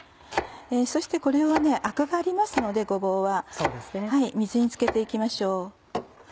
そしてこれはアクがありますのでごぼうは水につけていきましょう。